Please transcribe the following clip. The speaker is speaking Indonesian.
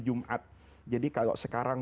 jumat jadi kalau sekarang